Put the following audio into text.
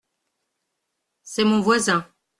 C’est mon voisin.